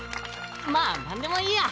まぁ何でもいいや！